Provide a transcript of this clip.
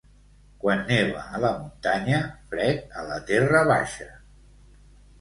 Quan neva a la muntanya, fred a la terra baixa.